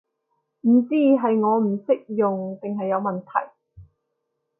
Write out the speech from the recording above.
唔知係我唔識用定係有問題